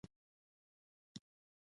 د رستم او سهراب کیسه مشهوره ده